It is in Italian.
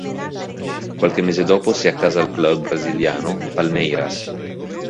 Qualche mese dopo si accasa al club brasiliano Palmeiras.